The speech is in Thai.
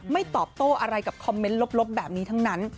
ตอบโต้อะไรกับคอมเมนต์ลบแบบนี้ทั้งนั้น